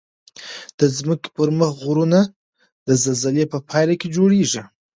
د ځمکې پر مخ غرونه د زلزلې په پایله کې جوړیږي.